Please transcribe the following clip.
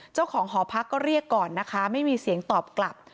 เจ้าของหอพักก็เรียกก่อนนะคะไม่มีเสียงตอบกลับ